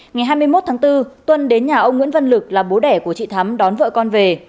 ngày hai mươi một tháng bốn tuân đến nhà ông nguyễn văn lực là bố đẻ của chị thắm đón vợ con về